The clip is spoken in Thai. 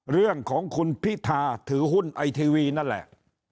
เรื่องของคุณพิธาถือหุ้นไอทีวีนั่นแหละ